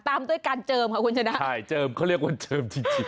ตามด้วยการเจิมค่ะคุณชนะใช่เจิมเขาเรียกว่าเจิมจริง